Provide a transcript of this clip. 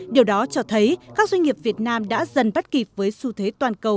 điều đó cho thấy các doanh nghiệp việt nam đã dần bắt kịp với xu thế toàn cầu